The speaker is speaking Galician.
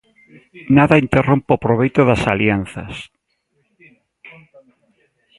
Nada interrompa o proveito das alianzas.